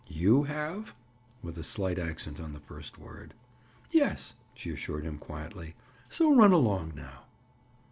"You have?" With a slight accent on the first word. "Yes," she assured him quietly. "So run along now."